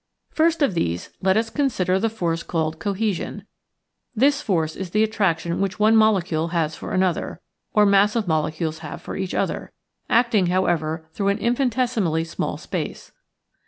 First of these, let us consider the force called Cohesion. This force is the attraction which one molecule has for another, or mass of molecules have for each other, acting, how ever, through an infinitcsimally small space.